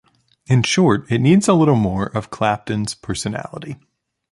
In short, it needs a little more of Clapton's personality.